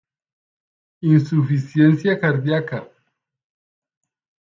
insuficiencia cardiaca